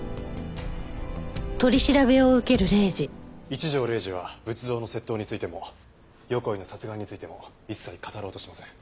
一条礼司は仏像の窃盗についても横井の殺害についても一切語ろうとしません。